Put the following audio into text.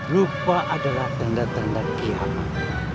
lupa adalah tanda tanda kehilangan